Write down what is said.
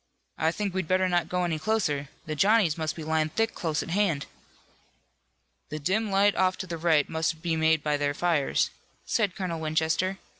"I think we'd better not go any closer. The Johnnies must be lying thick close at hand." "The dim light off to the right must be made by their fires," said Colonel Winchester.